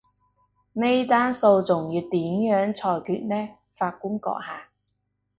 呢單訴訟要點樣裁決呢，法官閣下？